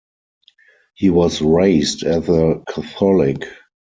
He was raised as a Catholic.